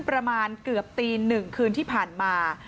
ประมาณเกือบตี๑คืนที่ผ่านมา